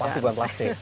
pasti bukan plastik